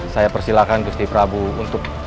saya persilahkan gusti prabu untuk